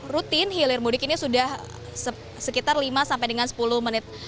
rutin hilir mudik ini sudah sekitar lima sampai dengan sepuluh menit